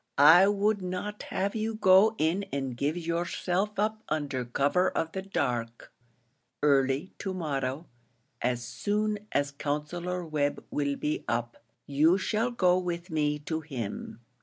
I would not have you go in and give yourself up under cover of the dark. Early to morrow as soon as Counsellor Webb will be up, you shall go with me to him.